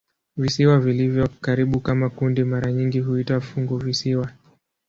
Visiwa vilivyo karibu kama kundi mara nyingi huitwa "funguvisiwa".